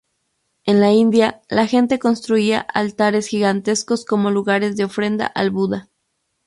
En la India, la gente construía altares gigantescos como lugares de ofrenda al buda.